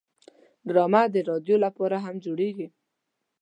ډرامه د رادیو لپاره هم جوړیږي